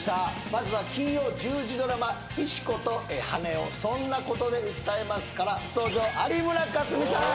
まずは金曜１０時ドラマ「石子と羽男−そんなコトで訴えます？−」から初登場有村架純さん